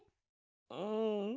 うん。